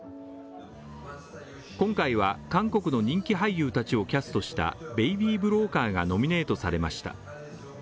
今回は、韓国の人気俳優たちをキャストした「ベイビー・ブローカー」がノミネートされました。